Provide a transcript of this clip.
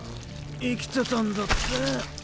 生きてたんだって？